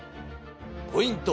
ポイント